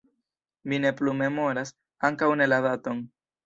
Mi ne plu memoras, ankaŭ ne la daton.